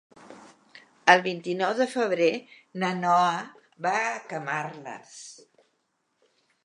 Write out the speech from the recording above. El vint-i-nou de febrer na Noa va a Camarles.